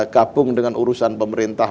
gabung dengan urusan pemerintah